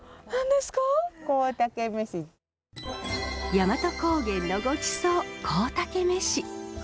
大和高原のごちそうコウタケめし。